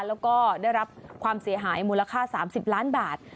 แล้วก็ได้รับความเสียหายมูลค่า๓๐ล้านบาท